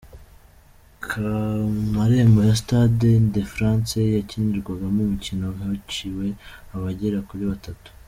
Ku marembo ya Stade de France yakinirwagamo umukino, hiciwe abagera kuri batatu.